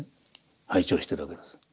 拝聴してるわけです。